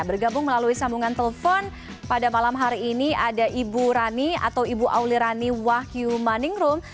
bergabung melalui sambungan telepon pada malam hari ini ada ibu rani atau ibu auli rani wahyu maningrum